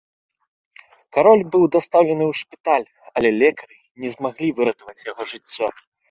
Кароль быў дастаўлены ў шпіталь, але лекары не змаглі выратаваць яго жыццё.